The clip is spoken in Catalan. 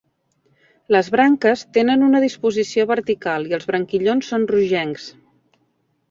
Les branques tenen una disposició vertical i els branquillons són rogencs.